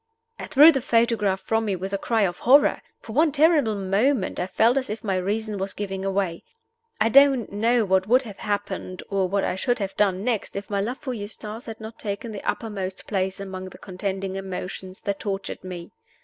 I threw the photograph from me with a cry of horror. For one terrible moment I felt as if my reason was giving way. I don't know what would have happened, or what I should have done next, if my love for Eustace had not taken the uppermost place among the contending emotions that tortured me.